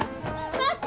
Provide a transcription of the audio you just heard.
待って！